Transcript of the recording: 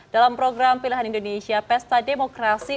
dalam program pilihan indonesia pesta demokrasi